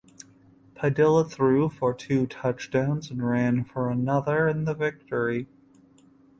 Padilla threw for two touchdowns and ran for another in the victory.